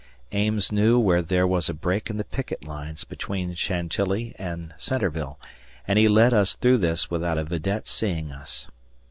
Ames knew where there was a break in the picket lines between Chantilly and Centreville, and he led us through this without a vidette seeing us.